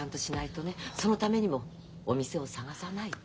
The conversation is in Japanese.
そのためにもお店を探さないと。